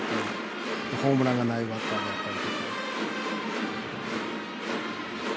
ホームランがないバッターだったり。